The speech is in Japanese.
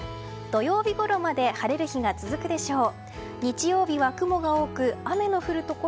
土曜日ごろまで晴れる日が続くでしょう。